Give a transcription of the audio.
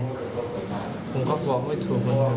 ผมก็บอกไม่ถูก